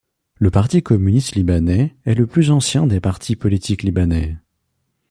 Le Parti communiste libanais est le plus ancien des partis politiques libanais.